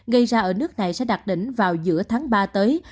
gây ra ở nước này sẽ đạt đỉnh vào giữa tháng ba tới